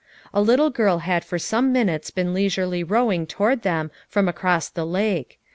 A little girl had for some minutes been leisurely rowing toward them from across the lake.